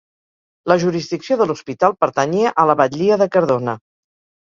La jurisdicció de l'Hospital pertanyia a la Batllia de Cardona.